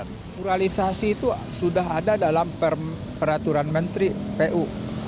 naturalisasi itu sudah ada dalam peraturan menteri pu